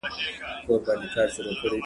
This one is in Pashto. زه اوږده وخت ږغ اورم وم.